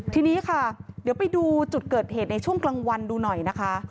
ทีนี้ค่ะเดี๋ยวไปดูจุดเกิดเหตุในช่วงกลางวันดูหน่อยนะคะ